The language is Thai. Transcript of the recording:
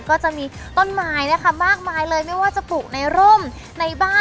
ก็จะมีต้นไม้นะคะมากมายเลยไม่ว่าจะปลูกในร่มในบ้าน